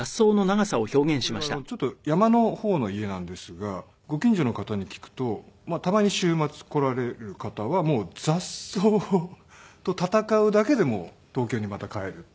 でご近所の今これはちょっと山の方の家なんですがご近所の方に聞くとたまに週末来られる方はもう雑草と戦うだけで東京にまた帰るという。